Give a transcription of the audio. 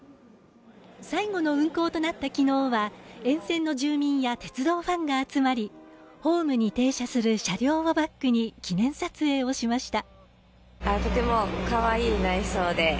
最後の運行となった昨日は沿線の住民や鉄道ファンが集まりホームに停車する車両をバックに記念撮影をしました。